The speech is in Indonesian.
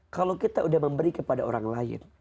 kalau kita sudah memberi kepada orang lain